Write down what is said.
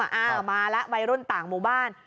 อ่ามาแล้ววัยรุ่นต่างหมู่บ้าน